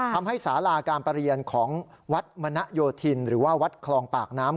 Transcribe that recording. สาราการประเรียนของวัดมณโยธินหรือว่าวัดคลองปากน้ำ